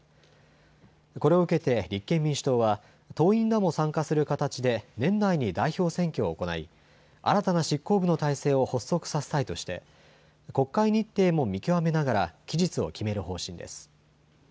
これを受けて立憲民主党は、党員らも参加する形で年内に代表選挙を行い、新たな執行部の体制を発足させたいとして、国会日程も見極めながら期日を決める方針です。